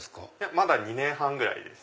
まだ２年半ぐらいです。